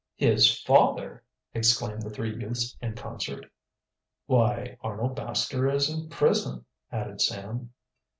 "His father!" exclaimed the three youths in concert. "Why, Arnold Baxter is in prison," added Sam.